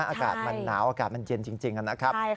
อากาศมันหนาวอากาศมันเย็นจริงนะครับ